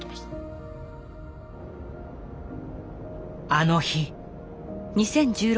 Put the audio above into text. あの日。